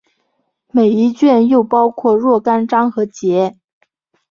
每一卷又包括若干章和节。